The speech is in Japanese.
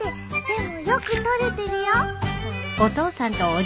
でもよく撮れてるよ。